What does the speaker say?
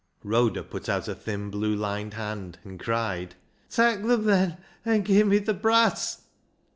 Rhoda put out a thin blue lined hand, and cried, " Tak' 'em then, an' gi' me th' brass."